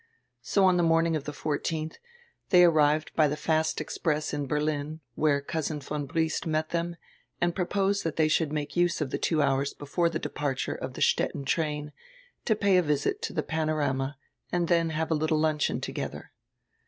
So on die morning of die 1 4di diey arrived by the fast express in Berlin, where Cousin von Briest met diem and proposed diat diey should make use of die two hours before the departure of die Stettin train to pay a visit to die Pano rama and then have a little luncheon togedier.